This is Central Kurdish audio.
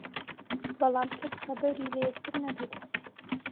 بەڵام کەس خەبەری لە یەکتر نەدەدا